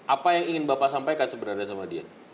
apa yang ingin bapak sampaikan sebenarnya sama dia